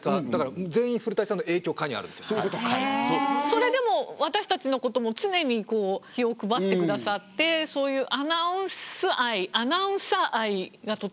それでも私たちのことも常に気を配ってくださってそういうアナウンス愛アナウンサー愛がとてもおありの方です。